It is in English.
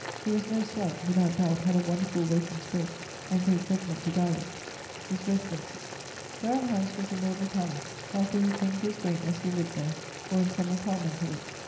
He was no slug; without doubt, had a wonderfull waking spirit, and great judgment to guide it. <_His residences._> Durham house was a noble palace; after he came to his greatnes he lived there, or in some apartment of it.